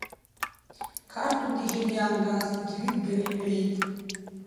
Қарҭынтә ижьаны иааргаз ԥыҭҩыкгьы ҳәҳәеит.